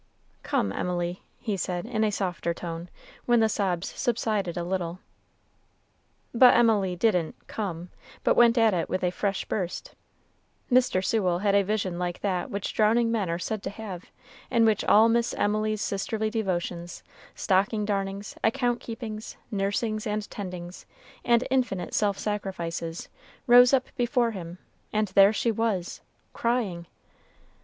"Come, Emily," he said, in a softer tone, when the sobs subsided a little. But Emily didn't "come," but went at it with a fresh burst. Mr. Sewell had a vision like that which drowning men are said to have, in which all Miss Emily's sisterly devotions, stocking darnings, account keepings, nursings and tendings, and infinite self sacrifices, rose up before him: and there she was crying!